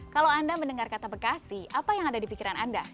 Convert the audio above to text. kalau anda mendengar kata bekasi apa yang ada di pikiran anda